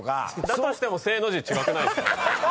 だとしても「せい」の字違くないですか。